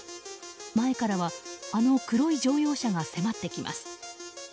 前からは、あの黒い乗用車が迫ってきます。